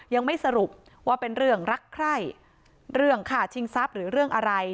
ยังไม่สรุปว่าเป็นเรื่องรักใครเรื่องฆ่าชิงทรัพย์หรือเรื่องอะไร